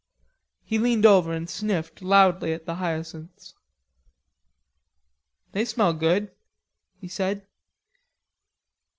He leaned over and sniffed loudly at the hyacinths. "They smell good," he said.